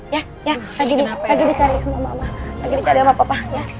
ya lagi dicari sama mama lagi dicari sama papa